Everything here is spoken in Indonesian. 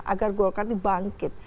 agar golkar dibangkit